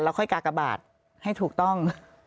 เราค่อยกากกะบาดให้ถูกต้อง